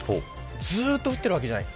ずっと降っているわけじゃない。